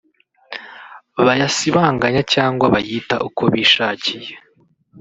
bayasibanganya cyangwa bayita uko bishakiye